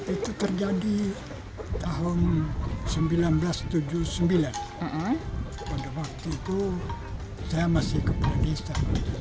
itu terjadi tahun seribu sembilan ratus tujuh puluh sembilan pada waktu itu saya masih kepala desa